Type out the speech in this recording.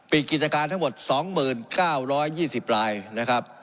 กิจการทั้งหมด๒๙๒๐รายนะครับ